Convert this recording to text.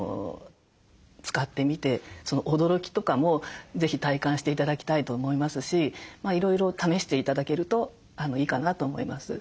使ってみてその驚きとかも是非体感して頂きたいと思いますしいろいろ試して頂けるといいかなと思います。